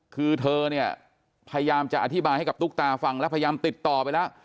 คือเธอเนี่ยพยายามจะอธิบายให้กับตุ๊กตาฟังแล้วพยายามติดต่อไปแล้ว